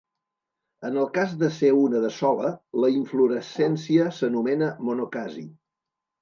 En el cas de ser una de sola, la inflorescència s'anomena monocasi.